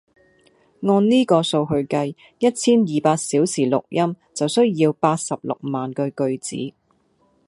按呢個數去計，一千二百小時錄音就需要八十六萬句句子